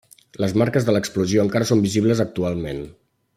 Les marques de l'explosió encara són visibles actualment.